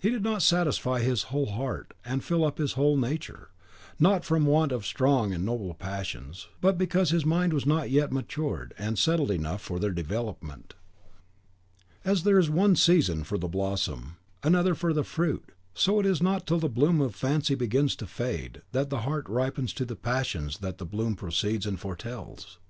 It did not satisfy his whole heart and fill up his whole nature; not from want of strong and noble passions, but because his mind was not yet matured and settled enough for their development. As there is one season for the blossom, another for the fruit; so it is not till the bloom of fancy begins to fade, that the heart ripens to the passions that the bloom precedes and foretells.